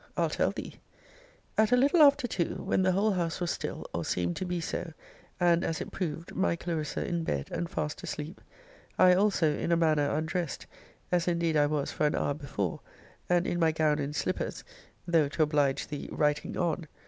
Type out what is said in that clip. I'll tell thee At a little after two, when the whole house was still, or seemed to be so, and, as it proved, my Clarissa in bed, and fast asleep; I also in a manner undressed (as indeed I was for an hour before) and in my gown and slippers, though, to oblige thee, writing on!